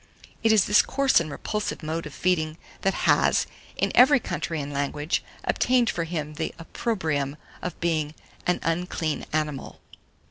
It is this coarse and repulsive mode of feeding that has, in every country and language, obtained for him the opprobrium of being "an unclean animal."